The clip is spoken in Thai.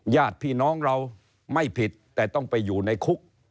ญาติพี่น้องเราไม่ผิดแต่ต้องไปอยู่ในคุก